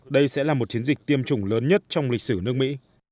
đây sẽ là một chiến dịch tiêm chủng lớn nhất trong lịch sử nước mỹ